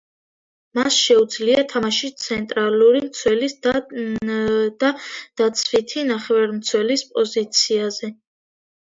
მას შეუძლია თამაში ცენტრალური მცველის და დაცვითი ნახევარმცველის პოზიციაზე.